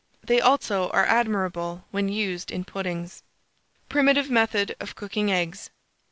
They also are admirable when used in puddings. PRIMITIVE METHOD OF COOKING EGGS.